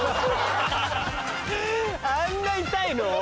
あんな痛いの？